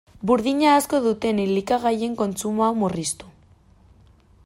Burdina asko duten elikagaien kontsumoa murriztu.